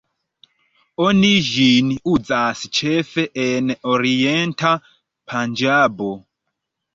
Oni ĝin uzas ĉefe en orienta Panĝabo.